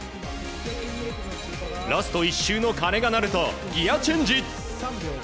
ラスト１周の鐘が鳴るとギアチェンジ！